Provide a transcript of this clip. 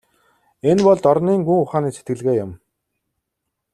Энэ бол дорнын гүн ухааны сэтгэлгээ юм.